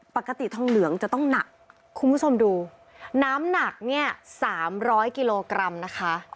ปกติทองเหลืองจะต้องหนักคุณผู้ชมดูน้ำหนักเนี่ย๓๐๐กิโลกรัมนะคะ